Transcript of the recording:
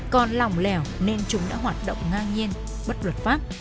còn lỏng lẻo nên chúng đã hoạt động ngang nhiên bất luật pháp